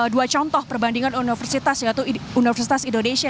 dua contoh perbandingan universitas yaitu universitas indonesia